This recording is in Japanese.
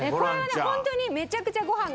ホントにめちゃくちゃご飯が進むので。